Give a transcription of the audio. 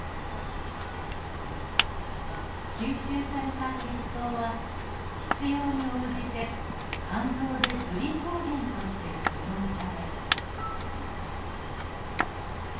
吸収された血糖は必要に応じて肝臓でグリコーゲンとして貯蔵され。